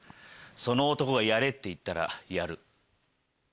その男がやれって言ったらやる。